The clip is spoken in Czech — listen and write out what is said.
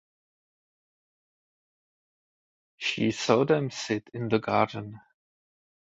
She saw them sit in the garden.